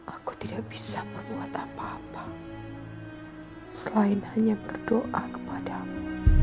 aku tidak bisa berbuat apa apa selain hanya berdoa kepadamu